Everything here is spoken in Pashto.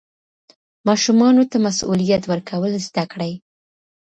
ماشومانو ته مسوولیت ورکول زده کړئ.